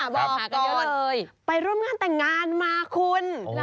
บอกก่อนไปร่วมงานแต่งงานมาคุณ